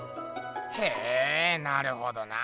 へぇなるほどなぁ。